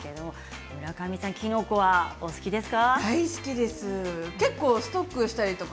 村上さん、きのこは好きですか？